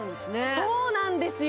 そうなんですよ